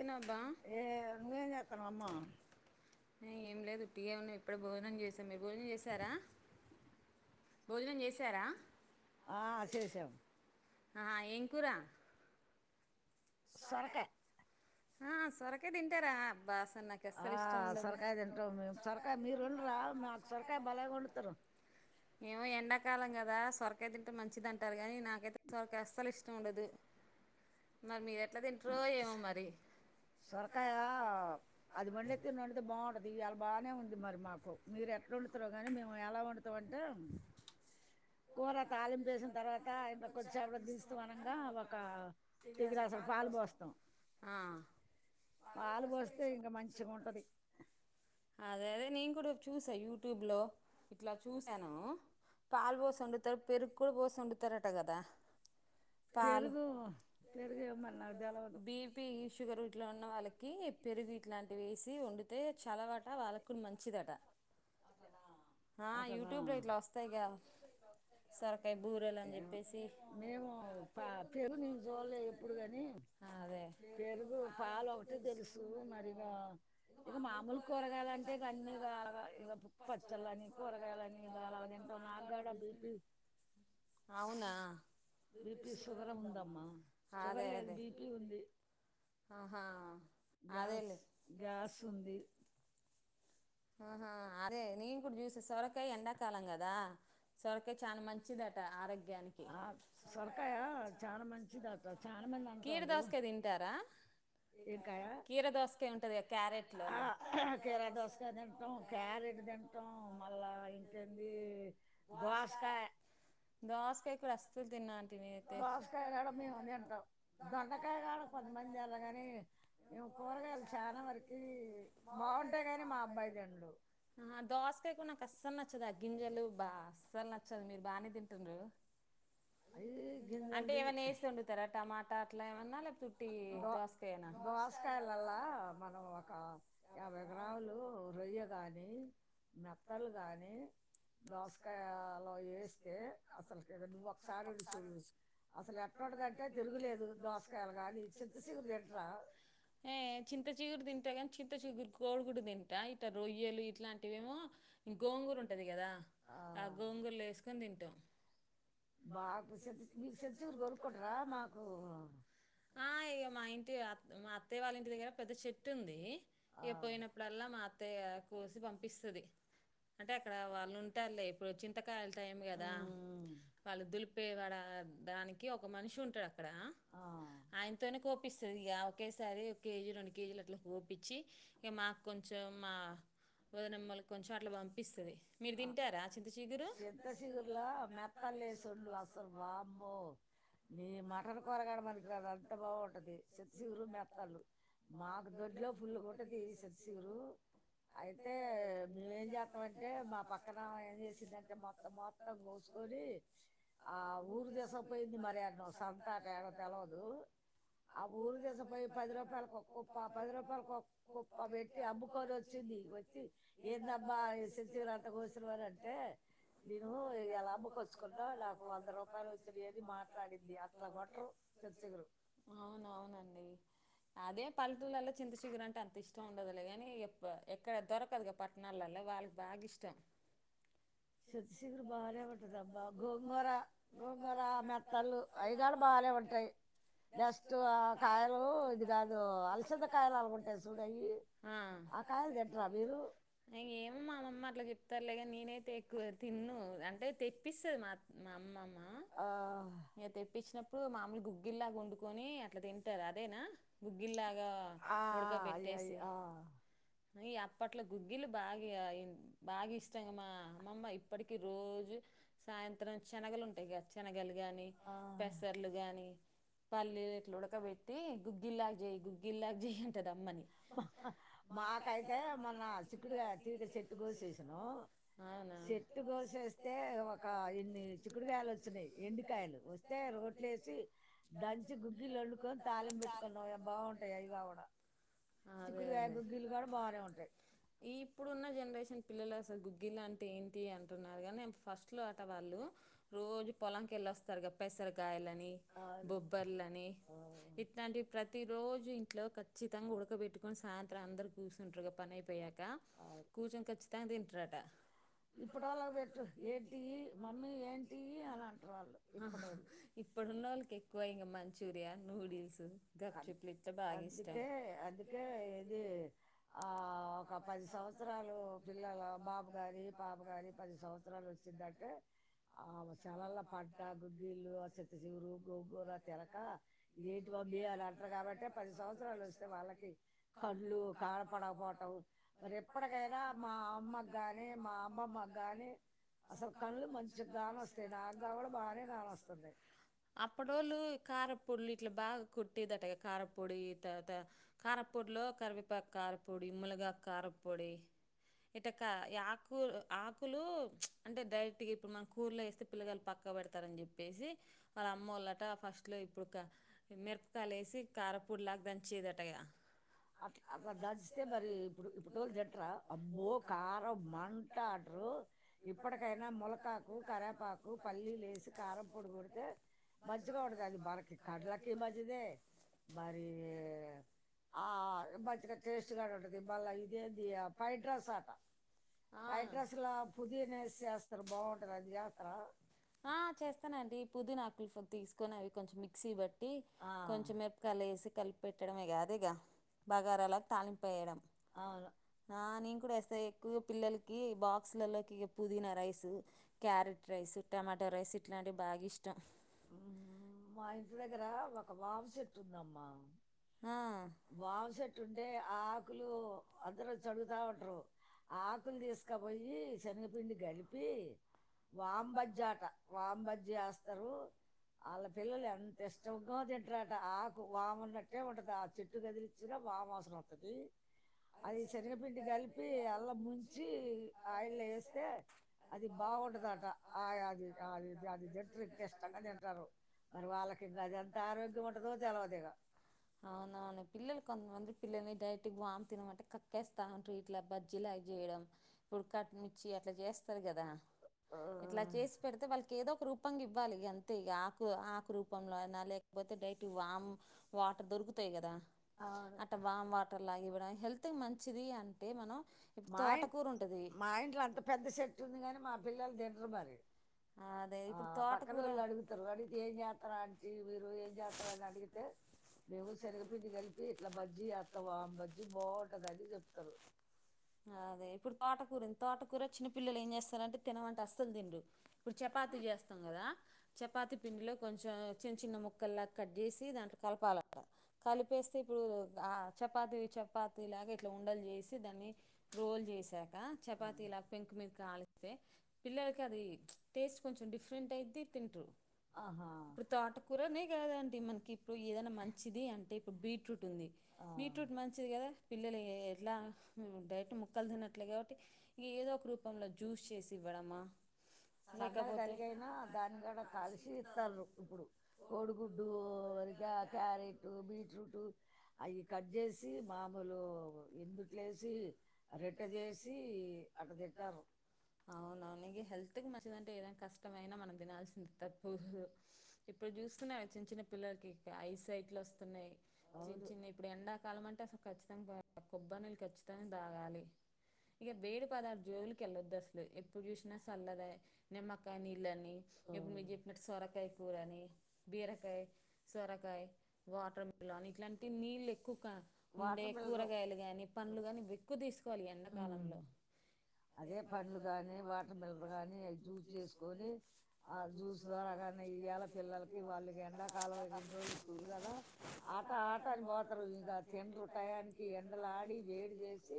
ఏ ఏ నువెంచేతన్నవు అమ్మా ఏం లేదు ఊటీగే ఉన్నా ఇప్పుడే భోజనం చేసాం మీరు భోజనం చేశారా భోజనం చేసారా ఆ ఏం కూరా సొరకాయి ఆ సొరకాయ తింటారా అబ్బ సో ఆ సొరకాయ తింటాం మేము సొరకాయ మీరు వండరా మాకు సొరకాయ బలాగా వండుతారు ఏమో ఎండాకాలం కదా సొరకాయ తింటే మంచిదింటారు కానో నాకైతే సొరకాయ అస్సలు ఇష్టం ఉండదు మర్ మీద సొరకాయ అది మళ్లీ తిన్నావంటే బాగుంట ఇది ఇలా బాగానే ఉంది మరి మాకు మీరు ఎట్లా వండుతరొ కానీ మేము ఎలా వండు వంట కూర తాలింపు పేసిన తర్వాత ఇంకా కొద్దిసేపటికి దించుతాం అనగా ఒక టీ గలాసడు పాలు పోస్తాం పాలు పోస్తే ఇంకా మంచిగా ఉంటుంది అదేదే నే కూడా చూసా యూ ట్యూబ్ లో ఇట్లా చూసాను పాల్వోసి వండుతరు పెరుగు కూడా పోసి వండు కదా పాలు బీపి షుగర్ ఇట్లో ఉన్న వాళ్ళకి పెరుగు ఇట్లాంటివి వేసి వండు తె చలవాట వాళ్ళకు కూడా మంచిదట యూట్యూబ్లో ఇట్లా వస్తాయి గా సరకాయ బూరెల అని చెప్పేసి అదే కూరగాయలంటే ఇక అన్నీ ఇ పచ్చళ్ళ అని కూరగాయలని ఇకలా తింటాం నాకుడ బీపీ అవునా అదే అదే ఆహా అదే లే ఆహా అదే నేను కూడా చూస సొరకాయ ఎండాకాలం కదా సొరకాయ చాలా మంచిదట ఆరోగ్య కీర దోసకాయ తింటారా కీర దోసకాయ ఉంటంది క్యారెట్లలో తింటాం క్యారెట్ తింటాం మళ్ళా ఇంకేంది దోసకాయ ఇప్పుడు వస్తు తిన్న దోసకాయ కాడ మేము తింటాం దొండకాయ కాడ కొంతమంది తినరు కాని మేము కూరగాయలు చాలా వరకి బాగుంటాయి కాగాని మా అబ్బాయి తినడు దోసకాయ కూర నాకు అస్సలు నచ్చ నచ్చదు అగ్గింజలు బా అస్సలు నచ్చదు మీరు బాగానే తింటుండ్రు అంటే ఏమైన్నా వేసి వండుతారా టమాటా ఏమన్నా దో దోసకాయలాల్ల మనం ఒక యాభై గ్రాములు రొయ్య కానీ మెత్తలు కానీ దోసకాయలో వేస్తే అసలు నువ్వు ఒకసారి వండి చూడు అసలు ఎట్లాంటిదంటే తిరగలేదు దోసకాయలు కానీ ఏ చింత చిగురు తింటే చింత చిగురు కోడిగుడ్డు ఇట రొయ్యలు ఇట్లాంటివేమో గోంగూర ఉంటుంది కదా ఆ గోంగూరలు వేసుకొని తింటాం బాగా మీకు కొరుక్కకుటరా మాకు మా అత్తయ్య వాళ్ళ ఇంటి దగ్గర పెద్ద చెట్టు ఉంది ఎప్పయినప్పుడులా కోసి పంపిస్తుంది అంటే అక్కడ వాళ్ళు ఉంటారుారు లే ఇప్పుడు చింతకాాల టైం కదా వాళ్ళు దులిపేవాడు దానికి ఒక మనిషి ఉంటాడుక్క అక్కడ ఆయనతోనే కోపిస్తుంది ఇక ఒకేసారి కేజీ రెండు కేజీలు అట్లా కోపించి ఇక మాకు కొంచెం కొంచెం మా వదనమ్మళకి కొంచెం అట్లా పంపిస్తుంది చింత సిగుర్లా మెత్తలేసి వండు అసలు వామ్మో నీ మటన్ కూర కూడ పనికిరాదు అంత బాగుంటది చింతూచిగురు మెత్తలు మాకు దొడ్లో ఫుల్లాఉంతది సింతచిగురు అయితే మేమేం చేస్తామ అంటే మా పక్కన ఏం చేసిందంటే మొత్తం మొత్తం కోసుకొని ఆ ఊరికి తీసాకపోయింది మరి అన్న సంతట ఏడో తెలయదు ఆ ఊరు తీసుకుపోయి పది రూపాయలకి ఒక కుొప్ప పది రూపాయలకి కుొప్ప పెట్టి అమ్ము కోరు వచ్చంది వచ్చి ఎందమ్మా చింత చిగురు ఎంత కోసిన వాళంటే నేను ఎలా అమ్మాకొచ్చుకున్నా నాకు వంద రూపాయలు వచ్చిన అని మాట్లాడింది అట్లా కొంటరు చింతచిగురు అదే పల్లెటూళ్ళలో చింత చిుగుర అంటే అంత ఇష్టం ఉండదులేగాని ఎ ఎక్కడ దొరకదుగా పట్టణాలలో వాళ్ళకి బాగా ఇష్టం చింత సిగుర బాగానే ఉంటంది అబ్బా గోంగూర గోంగూర మెత్తళ్లు అవిగాడ బాగా ఉంటాయి నెక్స్ట్ ఆ కాయలు ఇది కాదు అలసంద కాయలు అలా ఉంటాయి చూడవి ఆ కాయలు తిడరా మీరు తారులేగా నేనే ఎక్కువ తిన్న అంటే తెప్పిస్తుంది మా మా అమ్మమ్మ న తెప్పించిన ఇప్పుడు మామూలుగా గుగ్గిల్లాగా వండుకొని అట్లా తింటారు అదేనా గుగ్గిల్లాగా ఆ ఆ అ అప్పట్లో గుగ్గిలు బాగా బాగా ఇష్టంగామ్మా అమ్మమ్మ ఇప్పటికి రోజు సాయంత్రం శనగలు ఉంటాయి కదా శనగలు ని పెసర్లు గాని పల్లీలట్లు ఉడక పెట్టి గుగ్గిల్లాగా చేయి గుగ్గిల్లాగా చేయి అంటది అమ్మని ఆ మాకైతే మొన్న చిక్కుడుకాయ తీగ చెట్టు కోసేసినాం చెట్టు కోసేస్తేఒక ఎన్ని చిక్కుడుకాయలు వచ్చినాయి ఎండకాయలు వస్తే రోట్లో వేసి దంచి గుగ్గిలు వండుకొని తాళిం పెట్టుకున్నావు బాగుంటాయి అవి కా కూడా చికూడుకాయ గు ఈ ఇప్పుడున్న జనరేషన్ పిల్లలు అసలు గుగ్గిలా అంటే ఏంటి అంటున్నారు కాగానీ ఫస్ట్ లో ఆట వాళ్ళు రోజు పొలాంనికి వెళ్ళొస్తారు గ పెేసర గాయలు బొబ్బర్లని ఇట్లాంటి ప్రతి రోజు లో కచ్చితాంగా ఉడక పెట్టుకుని సాయ అందరు కూసుంట్రూగా పనై పోయాక కూచం కచ్చితా తంట ట్రట ఇప్పటి ఒళ్లకు పెట్టు ఏంటి మమ్మీ ఏంటి అని అంటారు వాళ్ళు ఇప్పటిోళ్ళు మంచూరియాన్ నూడిల్స్ అందుకే అందుకే ఇది ఆ ఒక పది సంవత్సరాలు పిల్లల బాబు గారి పాప గారి పది సంవత్సరాలు వచ్చింది టంటె ఆ చాలలా పంట గుగ్గిీళలు చింత చిగురు గోగు త [unintelligible] ఇంకా ఇదేటు బియ్యాలు అంటారు కాబట్టి పది సంవత్సరాలు వస్తే వాళ్ళకి కళ్ళు కాడ పడకపోవటం మరి ఎప్పటికైనా మా అమ్మకు కానీ మా అమ్బమ్మకు కానీ అసలు కళ్ళు మంచి గానీ వస్తాయి నాగా కూడా బాగానే కాని వస్తుంది పొడులు ఇట్లా బాగా కుట్టేది అట కారంపొడి తర్వాత కారంపొడిలో కరివేపాక కారంపొడి ములగాయ కారంపొడి ఇట్ట క ఆకు ఆకులు అంటే డైరెక్ట్గా ఇప్పుడు మన కూరలో వేస్తే పిల్లగాలు పక్క పెడతారని చెప్పేసి వాళ్ళ అమ్మ వాళ్ళట ఫస్ట్లో ఇప్పుడు అ అట్లా దచితే మరి ఇప్పుడు ఇప్పటిళ్ళు తింటారా అబ్బో కారం మంట ఆటరు ఇప్పటికైనా ములకాకు కరేపాకు పల్లీలుసి కారం పొడి కొడితే మంచిగా ఉది అది బాె కడలకి మంచిద మరిీ మంచిగా టేస్ట్గా ఉంటుంది మళ్ళ ఇదేంది ఫ్రైడ్ రైస్ ఆట ఫ్రైడ్ రైస్లా పుదీనసి చేస్తారు బాగుంటుంది అది చేస్తార పుదినాకులు తీసుకొని అవి కొంచంి ఎక్సిబట్ కొంచెం మిరపకాయలు ఏసి కలిపిపెట్టడమే కాద ఇగా బగారలాకు తాళింపేయడం అవును ఆ నేను కూడా ఏస్తా ఎక్కువ పిల్లలుకి బాక్సులల్లోకి పుదీనా rice carrot rice tomato rice ఇట్లాంటివి బాగా ఇష్టం ఊ మా ఇంటి దగ్గర ఒక వావు చెట్టుందమ్మా వాము చెట్టు ఉంటే ఆ ఆకులు అందరు వచ్చి అడుగుతా ఉంటారు, ఆకులు తీసుకపోయి శనగపిండి గలిపి వాంబజ్జాట వాంబజ్జి చేస్తారు. ఆళ్ళ పిల్లలు ఎంత ఇష్టంగో తింటరంట ఆకు వామున్న అట్టే ఉంటది ఆ చెట్టు గదిలించిన వాం వాసన వస్తది. అది శనగపిండి కలిపి అల్లా ముంచి ఆయిల్ల్లో ఏస్తే అది బాగుంటదట ఆ అది అది అది జెట్ రిక్వెస్. టాంగా తింటారు మరి వాళ్ళకి ఇంగ అది ఎంత ఆరోగ్యం ఉంటందో తెలవదు ఇగా అవునవును పిల్లలు కొంతమంది పిల్లల్ని డైరెక్ట్ వామ్ తినమంటే కక్కేస్తా ఉంటరు, ఇట్లా బజ్జీలా అవి చేయడం, ఇప్పుడు కట్ మిర్చి అట్లా చేస్తరు కదా. ఇట్లా చేసి పెడితే వాళ్ళకి ఏదో రూపంగా ఇవ్వాలి గంతే ఇగ ఆకు, ఆకు రూపంలో అయినా లేకపోతే డైట్ వామ్. వాటర్ దొరుకుతాయి కదా అట్టే వామ్ వాటర్లాగి ఉడాయి హెల్తీ మంచిది అంటే మనం మా ఇన్ మా ఇంట్లో అంత పెద్ద సెట్టు ఉంది కానీ, మా పిల్లలు తినరు మరి, ఆ పక్కన వాళ్ళు అడుగుతారు అడిగితే ఏం చేస్తారు అంటీ మీరు ఏం చేస్తారు అని అడిగితే. మేము సెనగ పిండి కలిపి ఇట్లా బజ్జి ఏత్తమ్ వామ్ బజ్జి బాగుంటదని అని చెప్తరు. అదే ఇప్పుడు తోటకూర ఉన్ తోటకూర చిన్న పిల్లలు ఏం చేస్తారంటే తినమంటే అసలు తినరు. ఇప్పుడు చపాతీ చేస్తాం కదా, చపాతి పిండిలో కొంచెం చిన్న చిన్న ముక్కల్లా కట్ చేసి దాంట్లో. కలపాలంట కలిపేస్తే ఇప్పుడు ఆ చపాతి, చపాతి లాగా ఇట్లా ఉండలు చేసి దాన్ని రోల్ చేసాక చపాతీ ఇలా పెంకు మీదకి కాలిస్తే, పిల్లలకి అది టేస్ట్ కొంచెం డిఫరెంట్ అయిద్ది తింటరు, ఇప్పుడు తోటకూరనే కాదు ఆంటీ మనకి. ఏదనా మంచిది అంటే ఇప్పుడు బీట్రూట్ ఉంది బీట్రూట్ మంచిది కదా పిల్లలు సన్నగా జరిగయినా దాన్ని కూడా కలిసి ఇస్తారు ఇప్పుడు కోడిగుడ్డు వరిగా క్యారెట్ బీట్రూట్ అవి కట్ చేసి మామూలు ఎందుట్లేసి రెట్ట చేసి అట్ట తిట్టారు హెల్త్ కి మంచిదింటే ఏదనా కష్టమయినా మనం తినాల్సింది తప్పదు ఇప్పుడు చూస్తున్నా చిన్న చిన్న పిల్లలకి ఐ సైట్లు వస్తున్నాయి చిన్న చిన్న ఇప్పుడు ఎండాకాలం అంటే అసలు ఖచ్చితంగా కొబ్బరి నీళ్ళు ఖచ్చితంగా తాగాలి ఇక వేడి పదార్ జోవులకిళ్లొద్దు అసలు ఎప్పుడు చూసినా సల్లదా నిమ్మకాయ నీళ్ళని డు చె స కూ బ స ఇట్లాంటి నీళ్ళు ఎక్కువ కా ఉండే కూరగాయలు ని పంలు కాని ఇ ఎక్కువ తీసుకోవాలి ఎండాకాలంలో ఆ జ్యూస్ ద్వారా కానీ ఇయ్యాల పిల్లలకి వాళ్ళకి ఎండాకాలం రోజు స్కూల్ కదా అ ఆటాని పోతారు ఇంకా తిండ రు టయానికి ఎండలు ఆడి వేడి చేసి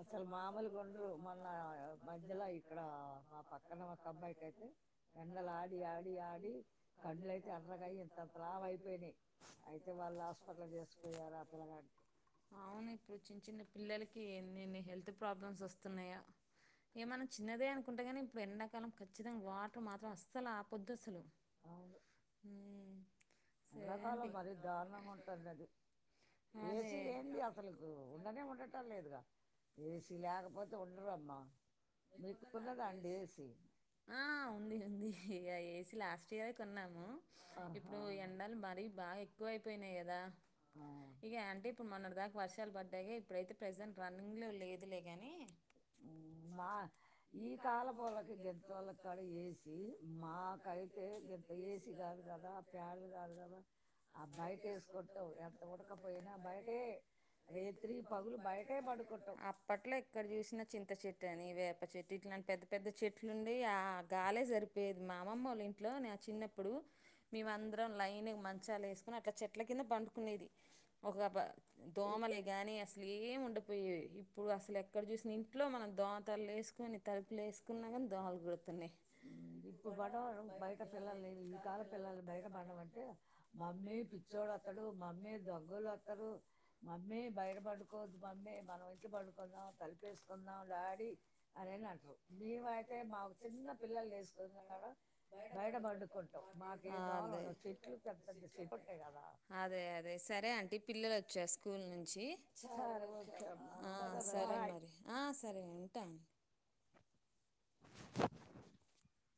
అసలు మామలు కొడరు మళ మధ్యలో ఇక్కడ మా పక్కన ఒక అబ్బాయికి అయితే ఎండలు ఆడి ఆడి ఆడి కండ్లుయితే ఎర్రగయ్యి ఇంత అంత లావ అయిపోయినాయి అయితే వాళ్ళు అట్లు చేసిపోయారు ఆ పిల్లగాన్ని పిల్లలకి ఎన్ని ఎన్ని హెల్త్ ప్రాబ్లమ్స్ వస్తున్నాయా ఏమన్నా చిన్నదే అనుకుంటే కానీ ఇప్పుడు ఎండాకాలం ఖచ్చితంగా వాటర్ మాత్రం అసలు ఆ పొద్దుసలు అవును ఎడాకాలం మరీ దారుణంగా ఉంటుంది అది అదే ఆ ఉంది ఉంది ఏ లాస్ట్ ఇయర్ కొన్నాము ఇప్పుడు ఎండలు మరీ బాగా ఎ ఎక్కువ అయిపోయినాయి కదా ఇక ఆంటీ ఇప్పుడు మొన్నటి దాకా వర్షాలు పడ్డాయి. ఏ ఇప్పుడైతే ప్రజెంట్ రన్నింగ్ లో లేదులే గాని మా ఈ కాలపోలకి గంత వాళ్ళ కాడ వేసి మాకైతే గంత ఏసి కాదు కదా, ప్యాన్లు కాదు కదా, ఆ బయట వేసుకుంటావు. ఎంత ఉడక్ పకపోయినా బయటే రేత్రి పగులు బయటే పడుకుంటవ్ అంత చెట్టు అని వేప చెట్టు ఇట్లాంటి పెద్ద పెద్ద చెట్లు ఉండి ఆ గాలే సరిపోయేది. మా అమ్మమ్మ ఒళ్ళ ఇంట్లో నా చిన్నప్పుడు మేముమందరం లైన్ మంచాలు వేసుకుని, అట్లా చెట్ల కింద పండుకునేది. ఒక పా దోమలే గాని అసలేం ఉండవ్ పోయి హిప్ ఇప్పుడు అసలు ఎక్కడ చూసిన ఇంట్లో మనం దోమతలలు వేసుకొని, తలుపులు వేసుకున్నా కానీ, దోమలు కుడుతున్నాయి. దొంగోళ్లు వత్తరు మమ్మీ బయట పడుకోవద్దు మమ్మీ మనం ఇంట్ పడు తలిపేసుకుందాం డాడీ అనిని అంటరు. మేము అయితే మాకు చిన్న పిల్లలు వేసుకున్నాడు బయట పండుకుంటాం మాకు ఏ దోమలు ఉండవు. చెట్లు పెద్ద పెద్ద చెట్ ఉంటాయి కదా. అదే సరే అంటీ పిల్లలు వచ్చారు స్కూల్ నుంచి సరే మరి ఆ సరే ఉంటా అం [inaudible]